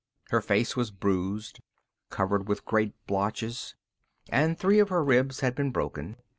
Her face was bruised, covered with great blotches, and three of her ribs had been broken.